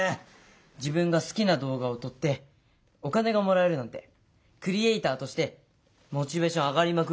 自分が好きな動画を撮ってお金がもらえるなんてクリエーターとしてモチベーション上がりまくりですよ！